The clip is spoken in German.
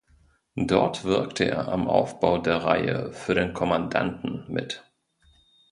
Dort wirkte er am Aufbau der Reihe "Für den Kommandanten" mit.